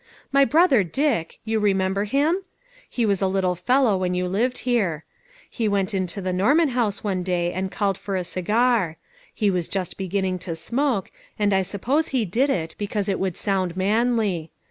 My brother Dick, you remember him? He was a little fellow when you lived here he went into the Norman House one day and called for a cigar; he was just beginning to smoke, and I suppose he did it because he thought it would sound manly.